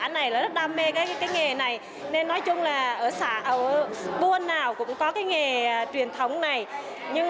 này đó đam mê các nghề này nên nói chung là ở xã nội buôn nào cũng có cái nghề truyền thống này nhưng